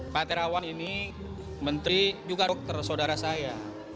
pak terawan ini menteri juga dokter saudara saya